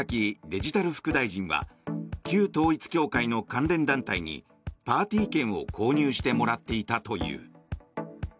デジタル副大臣は旧統一教会の関連団体にパーティー券を購入してもらっていたという。